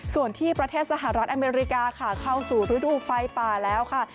ส่วนที่ประเทศสหรัฐอเมริกาค่ะเข้าสู่ฤดูไฟป่าแล้วค่ะ